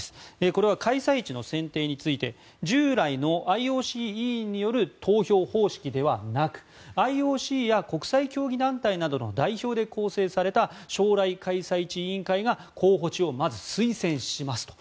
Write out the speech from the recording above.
これは開催地の選定について従来のＩＯＣ委員による投票方式ではなくＩＯＣや国際競技団体などの代表で構成された将来開催地委員会が候補地を、まず推薦しますと。